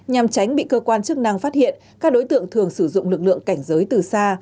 nhằm tránh bị cơ quan chức năng phát hiện các đối tượng thường sử dụng lực lượng cảnh giới từ xa